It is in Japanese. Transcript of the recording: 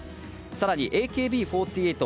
更にＡＫＢ４８